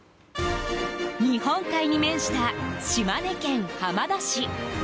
日本海に面した島根県浜田市。